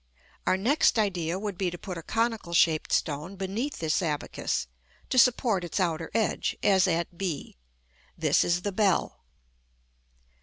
Our next idea would be to put a conical shaped stone beneath this abacus, to support its outer edge, as at b. This is the bell.